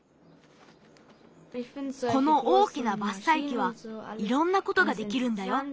この大きなばっさいきはいろんなことができるんだよ。